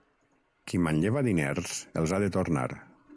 Qui manlleva diners els ha de tornar.